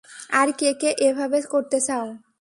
আর কে কে এভাবে করতে চাও?